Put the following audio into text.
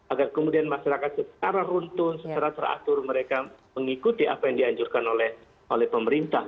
agar kemudian masyarakat secara runtun secara teratur mereka mengikuti apa yang dianjurkan oleh pemerintah